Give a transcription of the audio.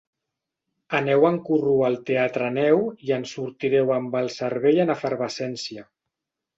Aneu en corrua al Teatreneu i en sortireu amb el cervell en efervescència.